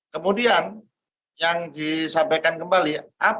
kemudian yang disampaikan kembali